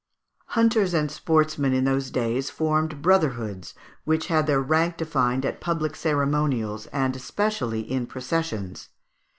] Hunters and sportsmen in those days formed brotherhoods, which had their rank defined at public ceremonials, and especially in processions.